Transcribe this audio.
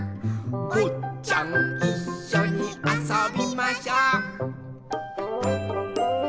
「ぼっちゃんいっしょにあそびましょう」